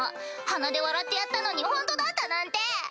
鼻で笑ってやったのにホントだったなんて！